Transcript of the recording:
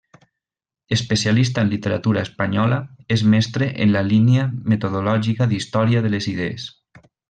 Especialista en Literatura espanyola, és mestre en la línia metodològica d'Història de les idees.